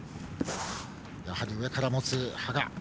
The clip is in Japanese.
やはり上から持つ羽賀。